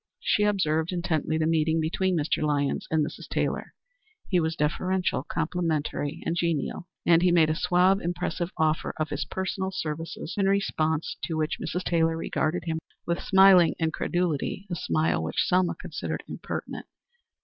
She observed intently the meeting between Mr. Lyons and Mrs. Taylor. He was deferential, complimentary, and genial, and he made a suave, impressive offer of his personal services, in response to which Mrs. Taylor regarded him with smiling incredulity a smile which Selma considered impertinent.